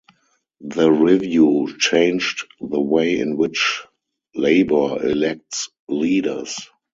The review changed the way in which Labour elects leaders.